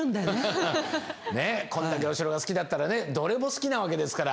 ねえこれだけお城が好きだったらねどれも好きなわけですから。